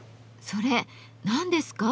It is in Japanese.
それ何ですか？